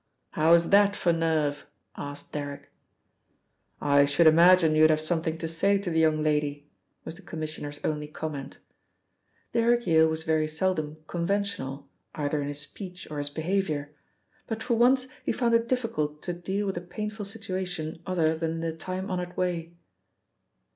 "How is that for nerve?" asked Derrick. "I should imagine you'd have something to say to the young lady," was the Commissioner's only comment. Derrick Yale was very seldom conventional, either in his speech or his behaviour, but for once he found it difficult to deal with a painful situation other than in the time honoured way.